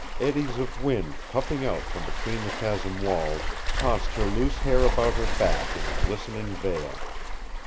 Eddies of wind puffing out from between the chasm walls tossed her loose hair about her back in a glistening veil.